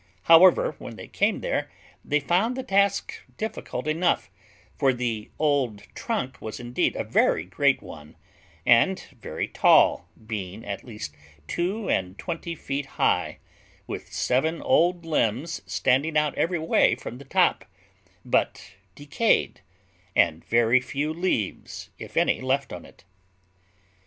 However, when they came there, they found the task difficult enough, for the old trunk was indeed a very great one, and very tall, being at least two and twenty feet high, with seven old limbs standing out every way from the top, but decayed, and very few leaves, if any, left on it.